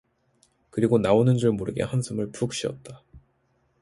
그리고 나오는 줄 모르게 한숨을 푹 쉬었다.